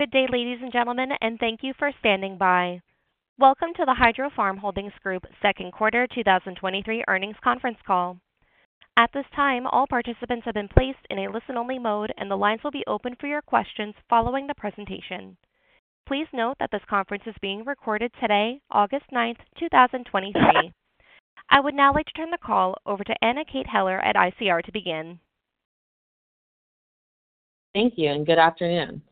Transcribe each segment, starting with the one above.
Good day, ladies and gentlemen, and thank you for standing by. Welcome to the Hydrofarm Holdings Group Second Quarter 2023 Earnings Conference Call. At this time, all participants have been placed in a listen-only mode, and the lines will be open for your questions following the presentation. Please note that this conference is being recorded today, August ninth, two thousand and twenty-three. I would now like to turn the call over to Anna Kate Heller at ICR to begin. Thank you, and good afternoon.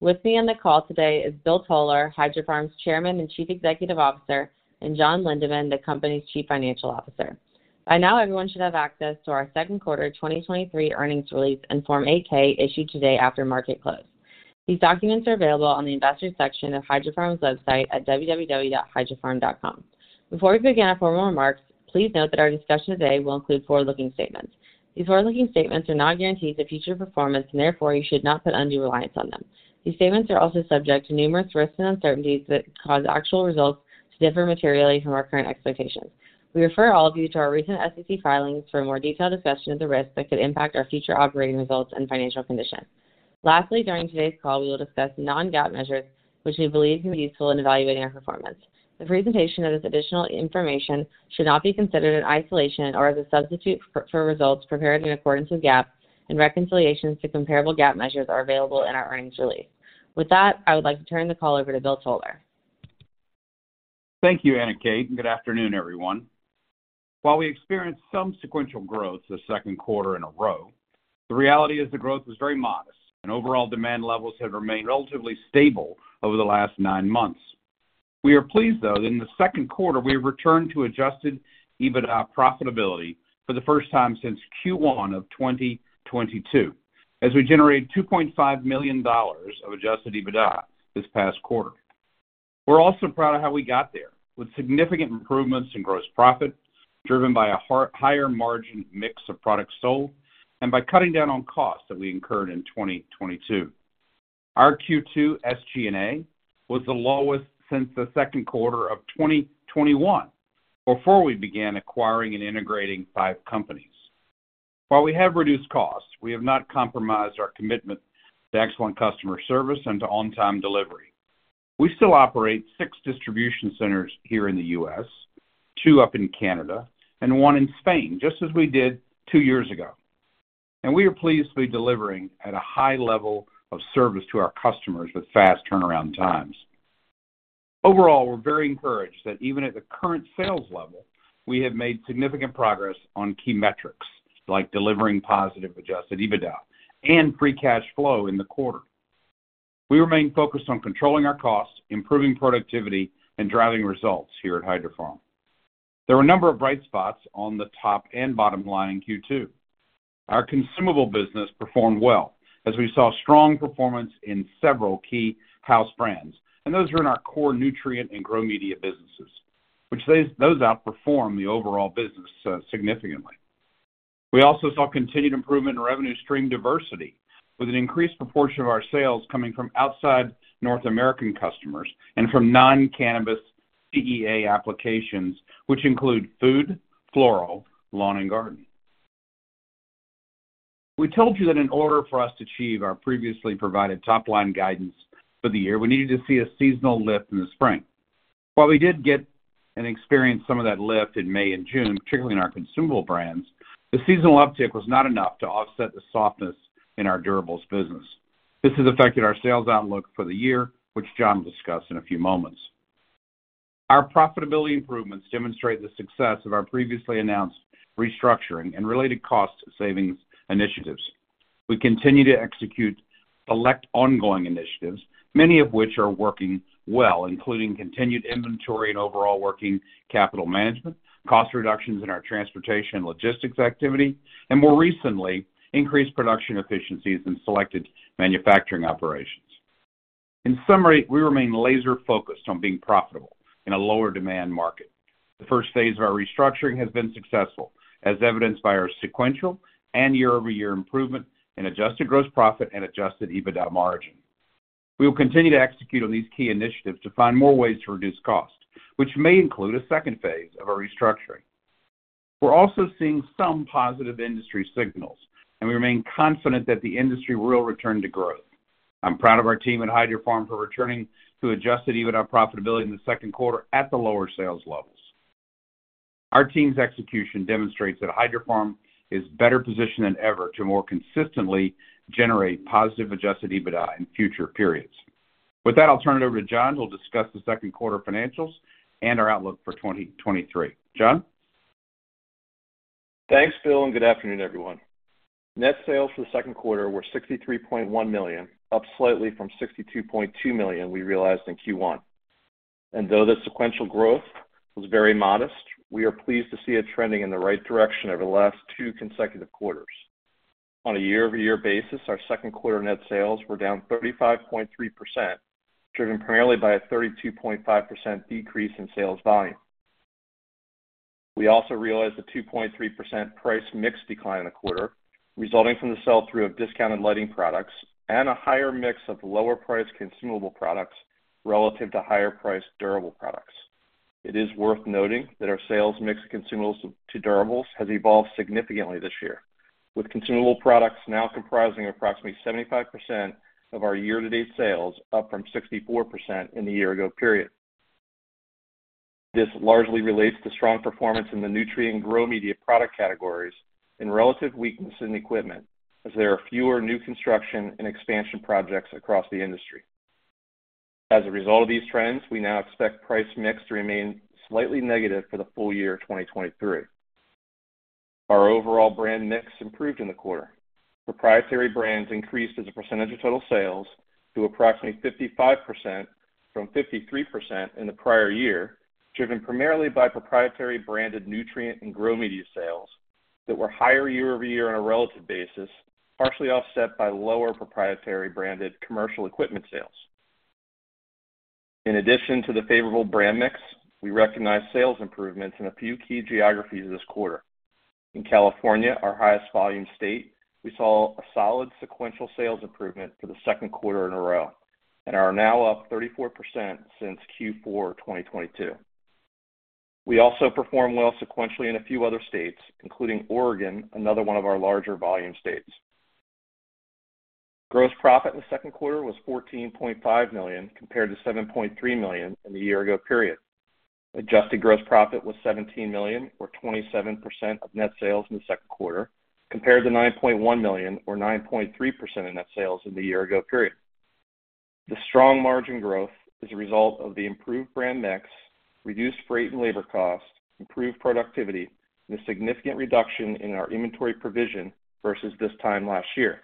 With me on the call today is Bill Toler, Hydrofarm's Chairman and Chief Executive Officer, and John Lindeen, the company's Chief Financial Officer. By now, everyone should have access to our second quarter 2023 earnings release and Form 8-K, issued today after market close. These documents are available on the investors section of Hydrofarm's website at www.hydrofarm.com. Before we begin our formal remarks, please note that our discussion today will include forward-looking statements. These forward-looking statements are not guarantees of future performance, and therefore you should not put undue reliance on them. These statements are also subject to numerous risks and uncertainties that could cause actual results to differ materially from our current expectations. We refer all of you to our recent SEC filings for a more detailed discussion of the risks that could impact our future operating results and financial condition. Lastly, during today's call, we will discuss non-GAAP measures, which we believe can be useful in evaluating our performance. The presentation of this additional information should not be considered in isolation or as a substitute for, for results prepared in accordance with GAAP, and reconciliations to comparable GAAP measures are available in our earnings release. With that, I would like to turn the call over to Bill Toler. Thank you, Anna Kate. Good afternoon, everyone. While we experienced some sequential growth the second quarter in a row, the reality is the growth was very modest, and overall demand levels have remained relatively stable over the last nine months. We are pleased, though, that in the second quarter, we have returned to Adjusted EBITDA profitability for the first time since Q1 of 2022, as we generated $2.5 million of Adjusted EBITDA this past quarter. We're also proud of how we got there, with significant improvements in gross profit, driven by a higher-margin mix of products sold and by cutting down on costs that we incurred in 2022. Our Q2 SG&A was the lowest since the second quarter of 2021, before we began acquiring and integrating five companies. While we have reduced costs, we have not compromised our commitment to excellent customer service and to on-time delivery. We still operate 6 distribution centers here in the US, 2 up in Canada, and 1 in Spain, just as we did 2 years ago. We are pleased to be delivering at a high level of service to our customers with fast turnaround times. Overall, we're very encouraged that even at the current sales level, we have made significant progress on key metrics, like delivering positive Adjusted EBITDA and free cash flow in the quarter. We remain focused on controlling our costs, improving productivity, and driving results here at Hydrofarm. There were a number of bright spots on the top and bottom line in Q2. Our consumable business performed well, as we saw strong performance in several key house brands. Those are in our core nutrient and grow media businesses, which those outperform the overall business significantly. We also saw continued improvement in revenue stream diversity, with an increased proportion of our sales coming from outside North American customers and from non-cannabis CEA applications, which include food, floral, lawn, and garden. We told you that in order for us to achieve our previously provided top-line guidance for the year, we needed to see a seasonal lift in the spring. While we did get and experience some of that lift in May and June, particularly in our consumable brands, the seasonal uptick was not enough to offset the softness in our durables business. This has affected our sales outlook for the year, which John will discuss in a few moments. Our profitability improvements demonstrate the success of our previously announced restructuring and related cost savings initiatives. We continue to execute select ongoing initiatives, many of which are working well, including continued inventory and overall working capital management, cost reductions in our transportation and logistics activity, and more recently, increased production efficiencies in selected manufacturing operations. In summary, we remain laser-focused on being profitable in a lower demand market. The first phase of our restructuring has been successful, as evidenced by our sequential and year-over-year improvement in adjusted gross profit and Adjusted EBITDA margin. We will continue to execute on these key initiatives to find more ways to reduce cost, which may include a second phase of our restructuring. We're also seeing some positive industry signals, and we remain confident that the industry will return to growth. I'm proud of our team at Hydrofarm for returning to Adjusted EBITDA profitability in the second quarter at the lower sales levels. Our team's execution demonstrates that Hydrofarm is better positioned than ever to more consistently generate positive Adjusted EBITDA in future periods. With that, I'll turn it over to John, who will discuss the second quarter financials and our outlook for 2023. John? Thanks, Bill, and good afternoon, everyone. Net sales for the second quarter were $63.1 million, up slightly from $62.2 million we realized in Q1. Though the sequential growth was very modest, we are pleased to see it trending in the right direction over the last two consecutive quarters. On a year-over-year basis, our second quarter Net sales were down 35.3%, driven primarily by a 32.5% decrease in sales volume. We also realized a 2.3% price mix decline in the quarter, resulting from the sell-through of discounted lighting products and a higher mix of lower-priced consumable products relative to higher-priced durable products.... It is worth noting that our sales mix of consumables to durables has evolved significantly this year, with consumable products now comprising approximately 75% of our year-to-date sales, up from 64% in the year-ago period. This largely relates to strong performance in the nutrient and grow media product categories and relative weakness in equipment, as there are fewer new construction and expansion projects across the industry. As a result of these trends, we now expect price mix to remain slightly negative for the full year, 2023. Our overall brand mix improved in the quarter. Proprietary brands increased as a percentage of total sales to approximately 55% from 53% in the prior year, driven primarily by proprietary branded nutrient and grow media sales that were higher year-over-year on a relative basis, partially offset by lower proprietary branded commercial equipment sales. In addition to the favorable brand mix, we recognized sales improvements in a few key geographies this quarter. In California, our highest volume state, we saw a solid sequential sales improvement for the second quarter in a row and are now up 34% since Q4 2022. We also performed well sequentially in a few other states, including Oregon, another one of our larger volume states. Gross profit in the second quarter was $14.5 million, compared to $7.3 million in the year ago period. Adjusted gross profit was $17 million, or 27% of net sales in the second quarter, compared to $9.1 million, or 9.3% of net sales in the year ago period. The strong margin growth is a result of the improved brand mix, reduced freight and labor costs, improved productivity, and a significant reduction in our inventory provision versus this time last year.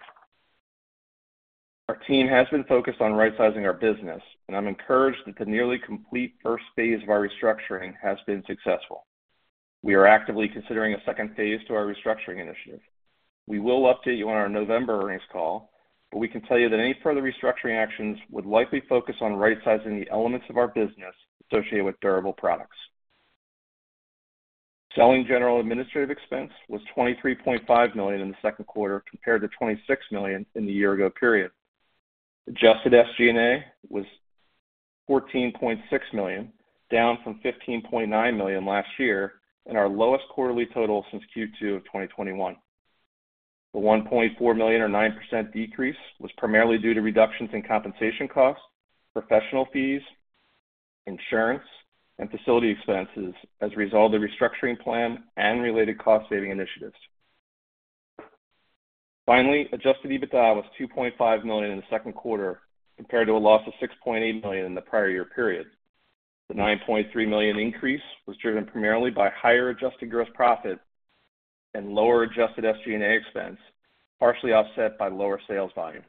Our team has been focused on rightsizing our business, and I'm encouraged that the nearly complete first phase of our restructuring has been successful. We are actively considering a second phase to our restructuring initiative. We will update you on our November earnings call, but we can tell you that any further restructuring actions would likely focus on rightsizing the elements of our business associated with durable products. Selling General Administrative Expense was $23.5 million in the second quarter, compared to $26 million in the year-ago period. Adjusted SG&A was $14.6 million, down from $15.9 million last year, and our lowest quarterly total since Q2 of 2021. The $1.4 million, or 9% decrease, was primarily due to reductions in compensation costs, professional fees, insurance, and facility expenses as a result of the restructuring plan and related cost-saving initiatives. Finally, Adjusted EBITDA was $2.5 million in the second quarter, compared to a loss of $6.8 million in the prior year period. The $9.3 million increase was driven primarily by higher adjusted gross profit and lower adjusted SG&A expense, partially offset by lower sales volume.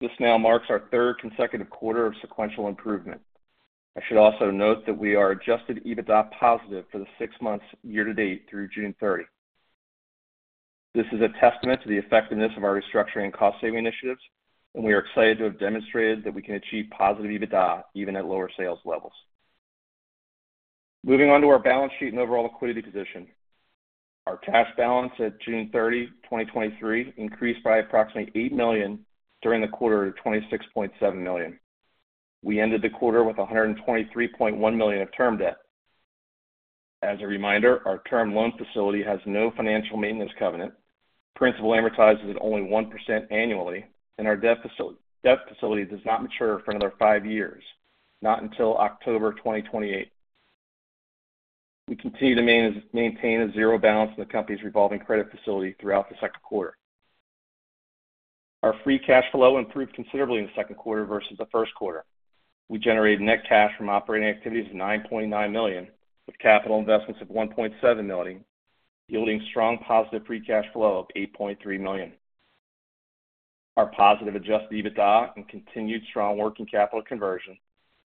This now marks our third consecutive quarter of sequential improvement. I should also note that we are Adjusted EBITDA positive for the six months year to date through June 30. This is a testament to the effectiveness of our restructuring and cost-saving initiatives, and we are excited to have demonstrated that we can achieve positive EBITDA even at lower sales levels. Moving on to our balance sheet and overall liquidity position. Our cash balance at June 30, 2023, increased by approximately $8 million during the quarter to $26.7 million. We ended the quarter with $123.1 million of term debt. As a reminder, our term loan facility has no financial maintenance covenant. Principal amortizes at only 1% annually, and our debt facility does not mature for another five years, not until October 2028. We continue to maintain a 0 balance in the company's revolving credit facility throughout the second quarter. Our free cash flow improved considerably in the second quarter versus the first quarter. We generated net cash from operating activities of $9.9 million, with capital investments of $1.7 million, yielding strong positive free cash flow of $8.3 million. Our positive Adjusted EBITDA and continued strong working capital conversion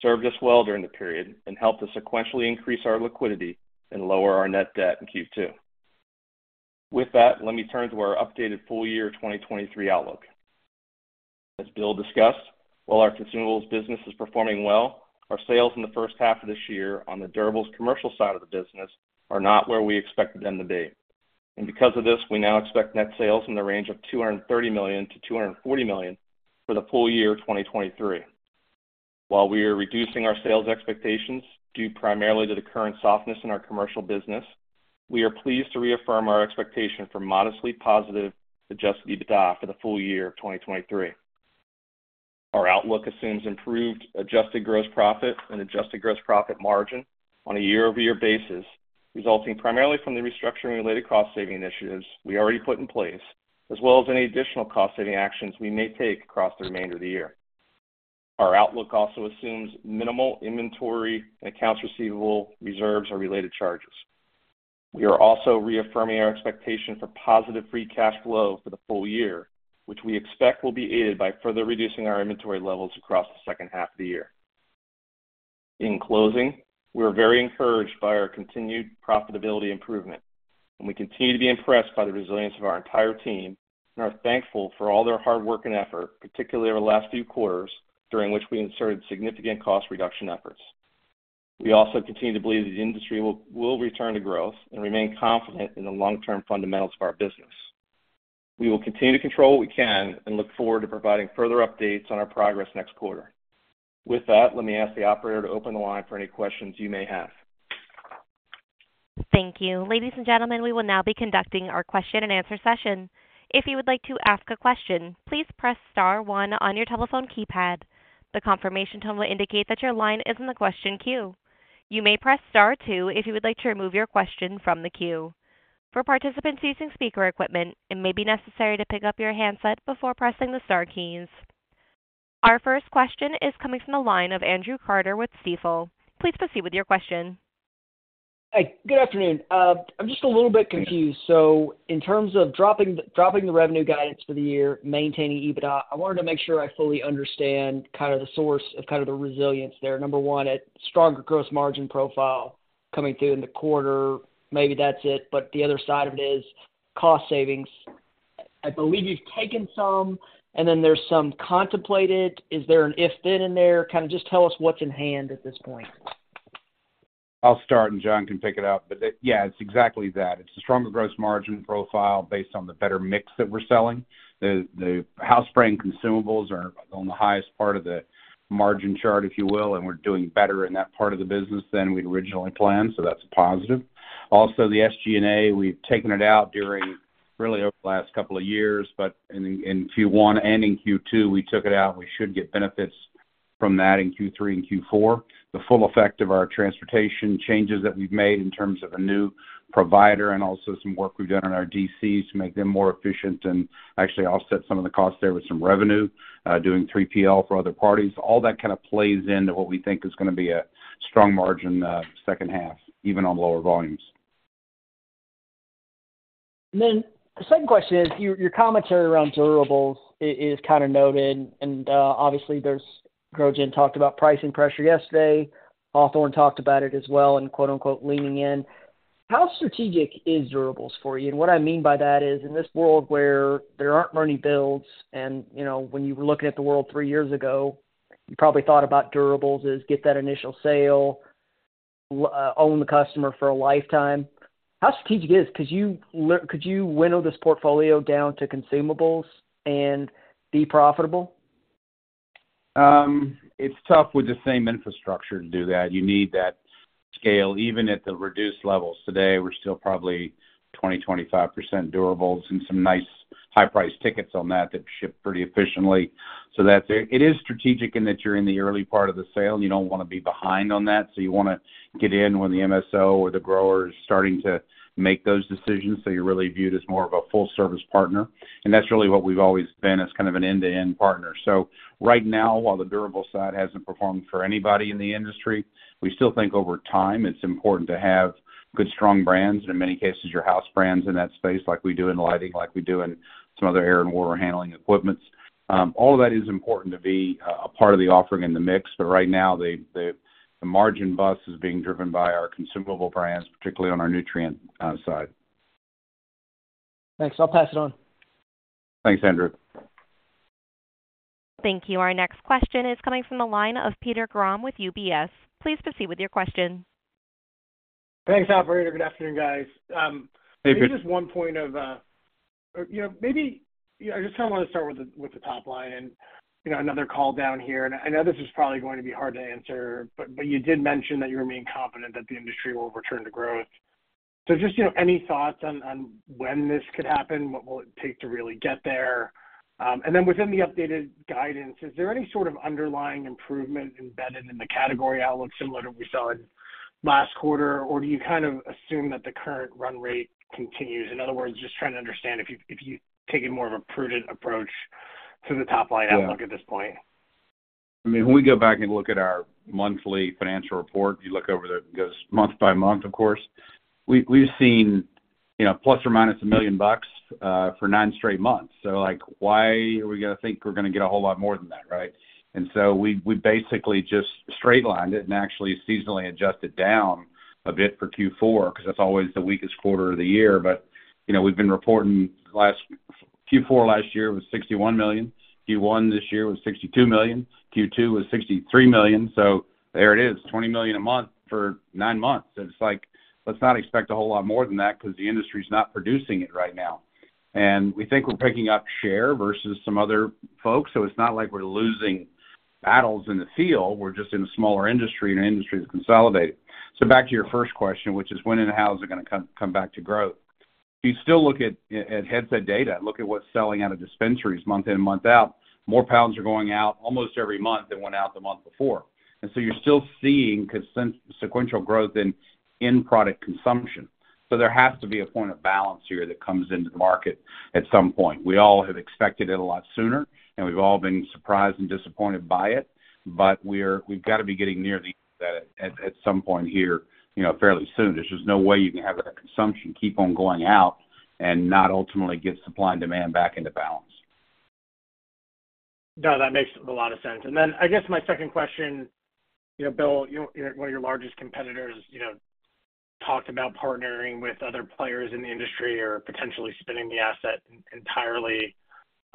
served us well during the period and helped us sequentially increase our liquidity and lower our net debt in Q2. With that, let me turn to our updated full year 2023 outlook. As Bill discussed, while our consumables business is performing well, our sales in the first half of this year on the durables commercial side of the business are not where we expected them to be. Because of this, we now expect net sales in the range of $230 million-$240 million for the full year 2023. While we are reducing our sales expectations, due primarily to the current softness in our commercial business, we are pleased to reaffirm our expectation for modestly positive Adjusted EBITDA for the full year of 2023. Our outlook assumes improved Adjusted gross profit and Adjusted gross profit margin on a year-over-year basis, resulting primarily from the restructuring-related cost saving initiatives we already put in place, as well as any additional cost-saving actions we may take across the remainder of the year. Our outlook also assumes minimal inventory and accounts receivable reserves or related charges. We are also reaffirming our expectation for positive free cash flow for the full year, which we expect will be aided by further reducing our inventory levels across the second half of the year. In closing, we're very encouraged by our continued profitability improvement, and we continue to be impressed by the resilience of our entire team and are thankful for all their hard work and effort, particularly over the last few quarters, during which we inserted significant cost reduction efforts. We also continue to believe that the industry will return to growth and remain confident in the long-term fundamentals of our business. We will continue to control what we can and look forward to providing further updates on our progress next quarter. With that, let me ask the operator to open the line for any questions you may have. Thank you. Ladies and gentlemen, we will now be conducting our question-and-answer session. If you would like to ask a question, please press star one on your telephone keypad. The confirmation tone will indicate that your line is in the question queue. You may press star two if you would like to remove your question from the queue. For participants using speaker equipment, it may be necessary to pick up your handset before pressing the star keys. Our first question is coming from the line of Andrew Carter with Stifel. Please proceed with your question. Hey, good afternoon. I'm just a little bit confused. In terms of dropping, dropping the revenue guidance for the year, maintaining EBITDA, I wanted to make sure I fully understand kind of the source of, kind of the resilience there. Number one, at stronger gross margin profile coming through in the quarter. Maybe that's it, but the other side of it is cost savings. I believe you've taken some, and then there's some contemplated. Is there an if/then in there? Kind of just tell us what's in hand at this point. I'll start, and John can pick it up. Yeah, it's exactly that. It's a stronger gross margin profile based on the better mix that we're selling. The, the house brand consumables are on the highest part of the margin chart, if you will, and we're doing better in that part of the business than we'd originally planned, so that's a positive. The SG&A, we've taken it out during, really, over the last couple of years, but in, in Q1 and in Q2, we took it out. We should get benefits from that in Q3 and Q4. The full effect of our transportation changes that we've made in terms of a new provider and also some work we've done on our DCs to make them more efficient and actually offset some of the costs there with some revenue, doing 3PL for other parties. All that kind of plays into what we think is gonna be a strong margin, second half, even on lower volumes. Then the second question is, your, your commentary around durables is kind of noted, obviously, there's GrowGeneration talked about pricing pressure yesterday. Hawthorne talked about it as well and quote-unquote, "leaning in." How strategic is durables for you? What I mean by that is, in this world where there aren't many builds, and, you know, when you were looking at the world three years ago, you probably thought about durables as get that initial sale, own the customer for a lifetime. How strategic is, could you could you whittle this portfolio down to consumables and be profitable? It's tough with the same infrastructure to do that. You need that scale. Even at the reduced levels today, we're still probably 20%-25% durables and some nice high-priced tickets on that, that ship pretty efficiently. That's it. It is strategic in that you're in the early part of the sale, you don't wanna be behind on that, so you wanna get in when the MSO or the grower is starting to make those decisions, so you're really viewed as more of a full-service partner. That's really what we've always been, as kind of an end-to-end partner. Right now, while the durable side hasn't performed for anybody in the industry, we still think over time, it's important to have good, strong brands, and in many cases, your house brands in that space, like we do in lighting, like we do in some other air and water handling equipments. All of that is important to be a part of the offering in the mix. Right now, the, the, the margin bus is being driven by our consumable brands, particularly on our nutrient side. Thanks. I'll pass it on. Thanks, Andrew. Thank you. Our next question is coming from the line of Peter Grom with UBS. Please proceed with your question. Thanks, operator. Good afternoon, guys. Hey, Peter. Maybe just one point of, you know, Yeah, I just kind of want to start with the, with the top line and, you know, another call down here. I know this is probably going to be hard to answer, but you did mention that you remain confident that the industry will return to growth. Just, you know, any thoughts on, on when this could happen? What will it take to really get there? Then within the updated guidance, is there any sort of underlying improvement embedded in the category outlook, similar to what we saw in last quarter? Do you kind of assume that the current run rate continues? In other words, just trying to understand if you, if you've taken more of a prudent approach to the top line- Yeah outlook at this point. I mean, when we go back and look at our monthly financial report, you look over it goes month by month, of course. We've seen, you know, plus or minus $1 million for nine straight months. Like, why are we gonna think we're gonna get a whole lot more than that, right? So we basically just straight lined it and actually seasonally adjusted down a bit for Q4, because that's always the weakest quarter of the year. You know, we've been reporting Q4 last year was $61 million. Q1 this year was $62 million. Q2 was $63 million. There it is, $20 million a month for nine months. It's like, let's not expect a whole lot more than that because the industry's not producing it right now. We think we're picking up share versus some other folks, so it's not like we're losing battles in the field. We're just in a smaller industry, and our industry is consolidating. Back to your first question, which is: when and how is it gonna come, come back to growth? If you still look at, at Headset data, look at what's selling out of dispensaries month in, month out, more pounds are going out almost every month than went out the month before. You're still seeing sequential growth in, in product consumption. There has to be a point of balance here that comes into the market at some point. We all have expected it a lot sooner, and we've all been surprised and disappointed by it, but we've got to be getting near the end of that at some point here, you know, fairly soon. There's just no way you can have the consumption keep on going out and not ultimately get supply and demand back into balance. No, that makes a lot of sense. Then I guess my second question, you know, Bill, you know, one of your largest competitors, you know, talked about partnering with other players in the industry or potentially spinning the asset entirely.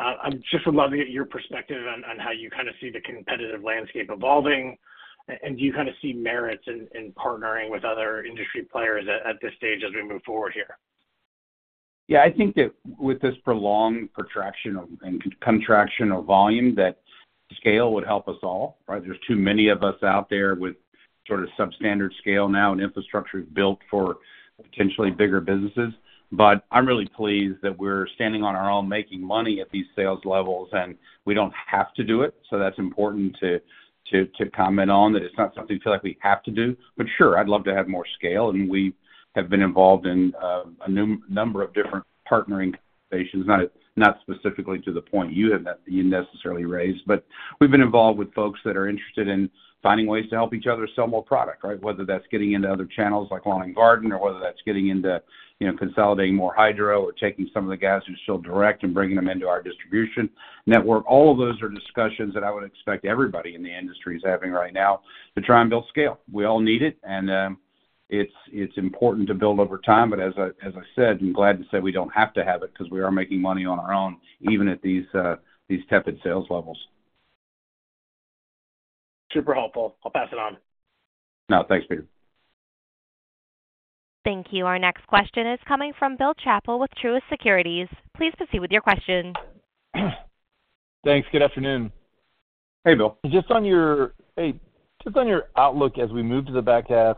I just would love to get your perspective on, on how you kind of see the competitive landscape evolving. Do you kind of see merits in, in partnering with other industry players at, at this stage as we move forward here? Yeah, I think that with this prolonged protraction of and contraction of volume, that scale would help us all, right? There's too many of us out there with sort of substandard scale now, and infrastructure is built for potentially bigger businesses. I'm really pleased that we're standing on our own, making money at these sales levels, and we don't have to do it. That's important to, to, to comment on, that it's not something we feel like we have to do. Sure, I'd love to have more scale, and we have been involved in a number of different partnering conversations, not, not specifically to the point you have you necessarily raised. We've been involved with folks that are interested in finding ways to help each other sell more product, right? Whether that's getting into other channels like lawn and garden, or whether that's getting into, you know, consolidating more hydro or taking some of the guys who sell direct and bringing them into our distribution network. All of those are discussions that I would expect everybody in the industry is having right now to try and build scale. We all need it, and it's, it's important to build over time. But as I, as I said, I'm glad to say we don't have to have it because we are making money on our own, even at these tepid sales levels. Super helpful. I'll pass it on. No, thanks, Peter. Thank you. Our next question is coming from Bill Chappell with Truist Securities. Please proceed with your question. Thanks. Good afternoon. Hey, Bill. Just on your outlook as we move to the back half,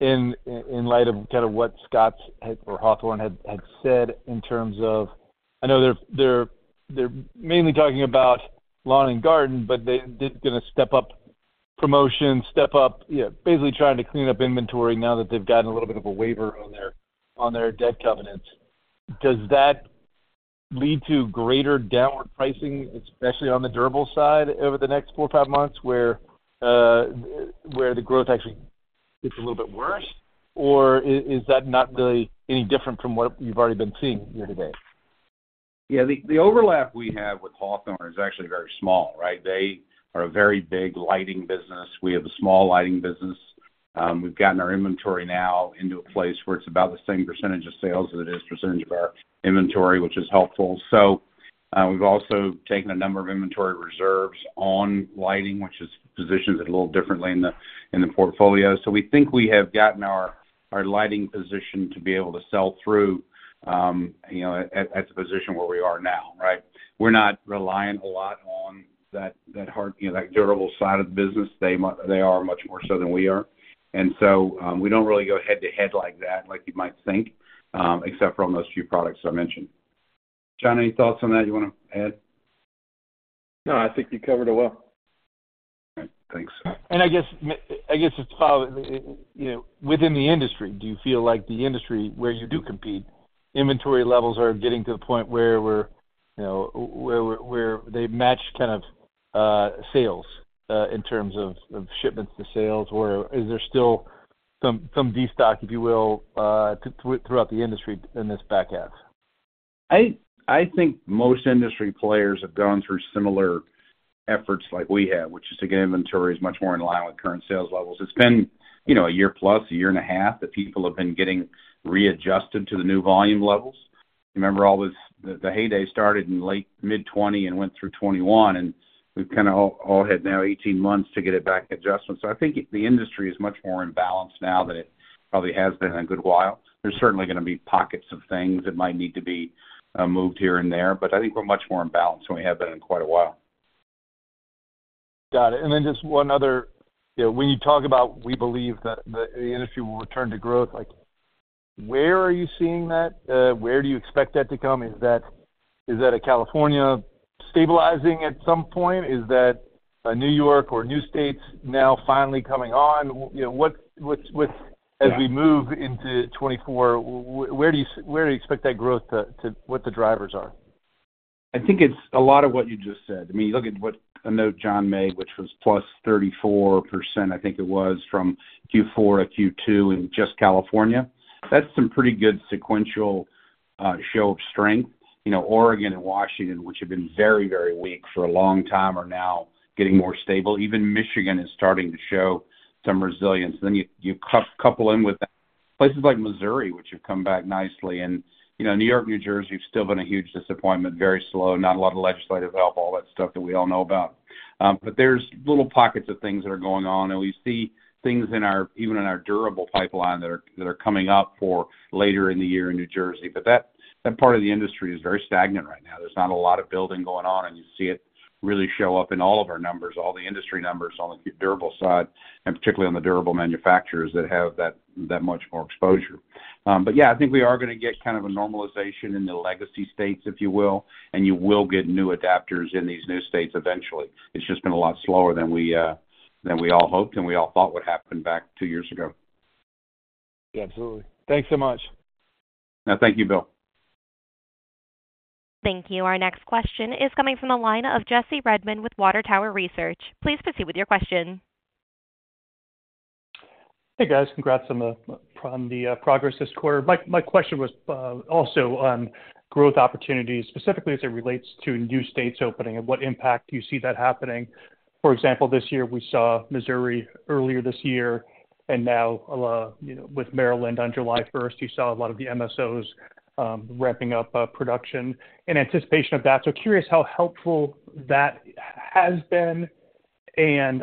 in, in light of kind of what Scott had or Hawthorne had said in terms of, I know they're mainly talking about lawn and garden, but they're gonna step up promotions, step up, yeah, basically trying to clean up inventory now that they've gotten a little bit of a waiver on their debt covenants. Does that lead to greater downward pricing, especially on the durable side, over the next four or five months, where the growth actually gets a little bit worse? Is that not really any different from what you've already been seeing year to date? Yeah, the, the overlap we have with Hawthorne is actually very small, right? They are a very big lighting business. We have a small lighting business. We've gotten our inventory now into a place where it's about the same percentage of sales as it is percentage of our inventory, which is helpful. We've also taken a number of inventory reserves on lighting, which has positioned it a little differently in the, in the portfolio. We think we have gotten our, our lighting position to be able to sell through, you know, at, at the position where we are now, right? We're not reliant a lot on that, that hard, you know, that durable side of the business. They they are much more so than we are. We don't really go head-to-head like that, like you might think, except for on those few products I mentioned. John, any thoughts on that you want to add? No, I think you covered it well. All right, thanks. I guess I guess it's probably, you know, within the industry, do you feel like the industry where you do compete, inventory levels are getting to the point where, you know, they match kind of sales in terms of shipments to sales? Or is there still some destock, if you will, throughout the industry in this back half? I, I think most industry players have gone through similar efforts like we have, which is to get inventories much more in line with current sales levels. It's been, you know, a year plus, a year and a half, that people have been getting readjusted to the new volume levels. Remember, all this, the, the heyday started in late mid 2020 and went through 2021, and we've kind of all, all had now 18 months to get it back adjusted. I think the industry is much more in balance now than it probably has been in a good while. There's certainly going to be pockets of things that might need to be moved here and there, but I think we're much more in balance than we have been in quite a while. Got it. Then just one other... You know, when you talk about, we believe that, that the industry will return to growth, like, where are you seeing that? Where do you expect that to come? Is that, is that a California stabilizing at some point? Is that, New York or new states now finally coming on? You know, what's? Yeah. -as we move into 2024, where do you expect that growth to What the drivers are? I think it's a lot of what you just said. I mean, look at what a note John made, which was plus 34%, I think it was, from Q4 to Q2 in just California. That's some pretty good sequential show of strength. You know, Oregon and Washington, which have been very, very weak for a long time, are now getting more stable. Even Michigan is starting to show some resilience. You, you couple in with places like Missouri, which have come back nicely, and, you know, New York, New Jersey have still been a huge disappointment. Very slow, not a lot of legislative help, all that stuff that we all know about. There's little pockets of things that are going on, and we see things even in our durable pipeline that are, that are coming up for later in the year in New Jersey. That, that part of the industry is very stagnant right now. There's not a lot of building going on, and you see it really show up in all of our numbers, all the industry numbers on the durable side, and particularly on the durable manufacturers that have that, that much more exposure. Yeah, I think we are going to get kind of a normalization in the legacy states, if you will, and you will get new adapters in these new states eventually. It's just been a lot slower than we than we all hoped and we all thought would happen back 2 years ago. Absolutely. Thanks so much. Thank you, Bill. Thank you. Our next question is coming from the line of Jesse Redmond with Water Tower Research. Please proceed with your question. Hey, guys. Congrats on the, on the progress this quarter. My question was also on growth opportunities, specifically as it relates to new states opening and what impact do you see that happening? For example, this year, we saw Missouri earlier this year, and now, you know, with Maryland on July first, you saw a lot of the MSOs ramping up production in anticipation of that. Curious how helpful that has been?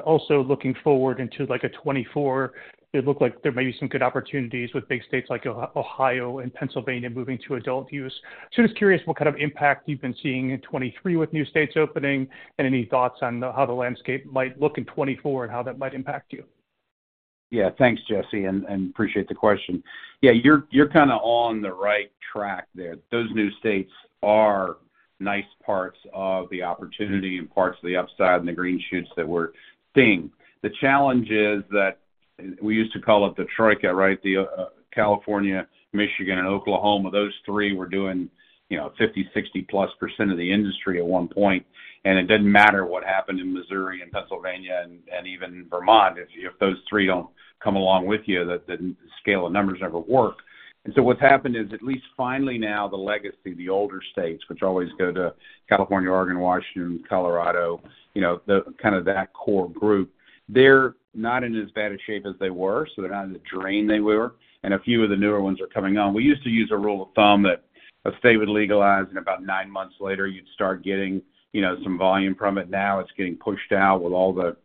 Also looking forward into, like, a 2024, it looked like there may be some good opportunities with big states like Ohio and Pennsylvania moving to adult use. Curious what kind of impact you've been seeing in 2023 with new states opening, and any thoughts on the, how the landscape might look in 2024 and how that might impact you? Yeah. Thanks, Jesse, and, and appreciate the question. Yeah, you're, you're kind of on the right track there. Those new states are nice parts of the opportunity and parts of the upside and the green shoots that we're seeing. The challenge is that we used to call it the Troika, right? The California, Michigan, and Oklahoma. Those three were doing, you know, 50, 60-plus % of the industry at one point, and it didn't matter what happened in Missouri and Pennsylvania and, and even Vermont. If, if those three don't come along with you, the, the scale of numbers never work. What's happened is, at least finally now, the legacy, the older states, which always go to California, Oregon, Washington, Colorado, you know, the kind of that core group, they're not in as bad a shape as they were, so they're not in the drain they were, and a few of the newer ones are coming on. We used to use a rule of thumb that a state would legalize, and about 9 months later, you'd start getting, you know, some volume from it. Now, it's getting pushed out with all the,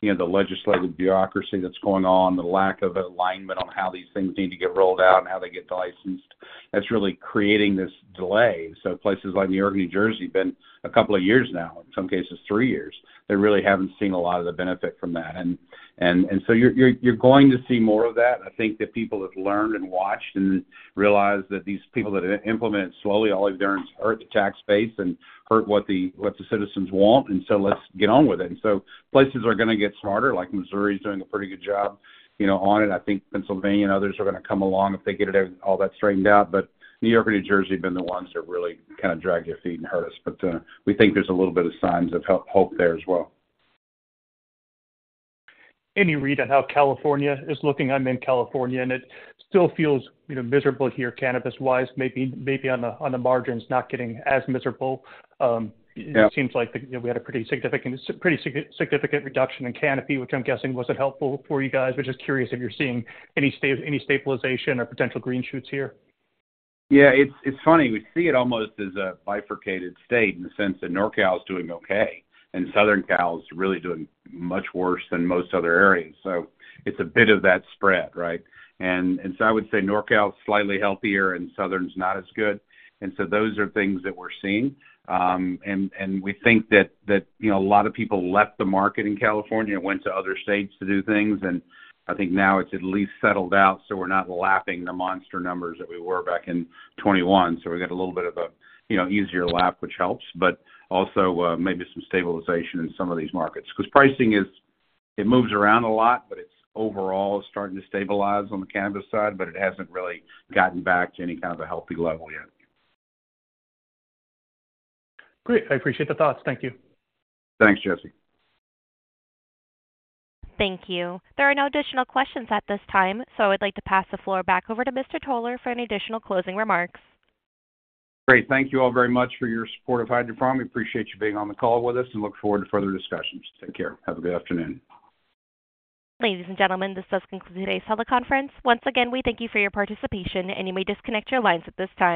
you know, the legislative bureaucracy that's going on, the lack of alignment on how these things need to get rolled out and how they get licensed. That's really creating this delay. Places like New York, New Jersey, been a couple of years now, in some cases, 3 years. They really haven't seen a lot of the benefit from that. You're, you're going to see more of that. I think that people have learned and watched and realized that these people that implement it slowly only hurt the tax base and hurt what the, what the citizens want, and so let's get on with it. Places are gonna get smarter, like Missouri is doing a pretty good job, you know, on it. I think Pennsylvania and others are gonna come along if they get it, all that straightened out. New York and New Jersey have been the ones that really kind of dragged their feet and hurt us. We think there's a little bit of signs of ho-hope there as well. Any read on how California is looking? I'm in California, and it still feels, you know, miserable here, cannabis-wise, maybe, maybe on the, on the margins, not getting as miserable. Yeah. it seems like, you know, we had a pretty significant, pretty significant reduction in canopy, which I'm guessing wasn't helpful for you guys. But just curious if you're seeing any stabilization or potential green shoots here? Yeah, it's, it's funny. We see it almost as a bifurcated state in the sense that NorCal is doing okay, and Southern Cal is really doing much worse than most other areas. It's a bit of that spread, right? I would say NorCal is slightly healthier and Southern's not as good. Those are things that we're seeing. We think that, that, you know, a lot of people left the market in California and went to other states to do things, and I think now it's at least settled out, so we're not lapping the monster numbers that we were back in 2021. We got a little bit of a, you know, easier lap, which helps, but also, maybe some stabilization in some of these markets. Because pricing is, it moves around a lot, but it's overall starting to stabilize on the cannabis side, but it hasn't really gotten back to any kind of a healthy level yet. Great. I appreciate the thoughts. Thank you. Thanks, Jesse. Thank you. There are no additional questions at this time. I'd like to pass the floor back over to Mr. Toler for any additional closing remarks. Great. Thank you all very much for your support of Hydrofarm. We appreciate you being on the call with us and look forward to further discussions. Take care. Have a good afternoon. Ladies and gentlemen, this does conclude today's teleconference. Once again, we thank you for your participation, and you may disconnect your lines at this time.